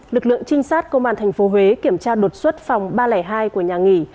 lực lượng trinh sát công an tp huế kiểm tra đột xuất phòng ba trăm linh hai của nhà nghỉ